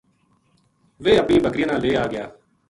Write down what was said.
ویہ اپنی بکریاں نا لے ا ٓ گیا